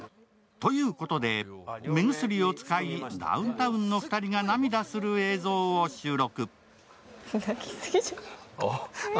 ということで、目薬を使いダウンタウンの２人が涙する映像を収録。